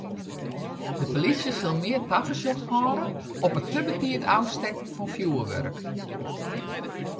De plysje sil mear tafersjoch hâlde op it te betiid ôfstekken fan fjoerwurk.